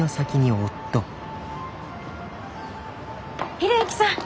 寛之さん！